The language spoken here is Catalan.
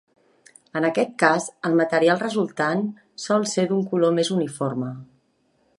En aquest cas el material resultant sol ser d'un color més uniforme.